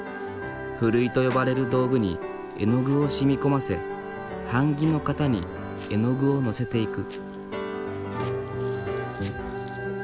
ふるいと呼ばれる道具に絵の具を染み込ませ版木の型に絵の具を載せていく。